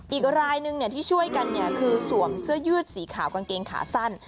อีกรายหนึ่งที่ช่วยกันคือสวมเสื้อยืดสีขาวกางเกงขาสั้น